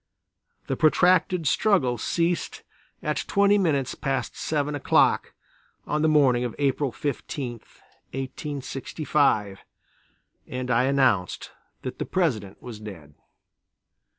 The protracted struggle ceased at twenty minutes past seven o'clock on the morning of April 15, 1865, and I announced that the President was dead.